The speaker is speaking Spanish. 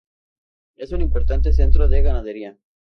Es un importante centro de ganadería.